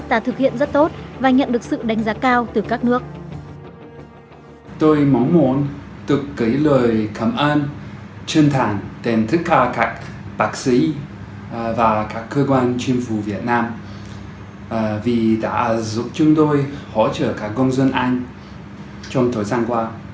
tôi mong muốn được kể lời cảm ơn chân thành đến tất cả các bác sĩ và các cơ quan chính phủ việt nam vì đã giúp chúng tôi hỗ trợ các công dân anh trong thời gian qua